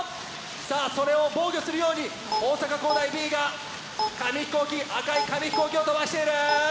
さあそれを防御するように大阪公大Ｂが紙ヒコーキ赤い紙ヒコーキを飛ばしている！